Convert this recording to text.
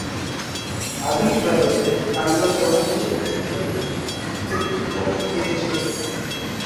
আধুনিক ভারতে, বাংলা ক্রমাগত শ্রেষ্ঠ শিল্পীদের উপহার দিয়ে চলেছে।